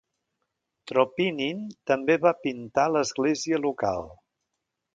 Tropinin també va pintar l'església local.